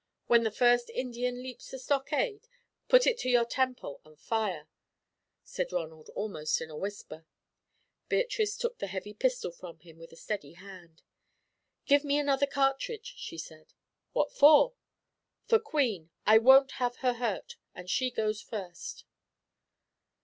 "When the first Indian leaps the stockade, put it to your temple and fire," said Ronald, almost in a whisper. Beatrice took the heavy pistol from him with a steady hand. "Give me another cartridge," she said. "What for?" "For Queen. I won't have her hurt, and she goes first."